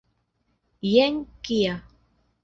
Jen kia!